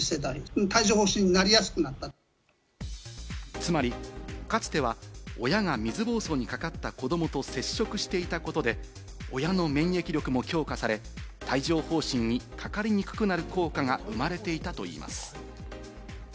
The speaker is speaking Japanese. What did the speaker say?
つまり、かつては親が水ぼうそうにかかった子どもと接触していたことで、親の免疫力も強化され帯状疱疹にかかりにくくなる効果が生まれていたといいます。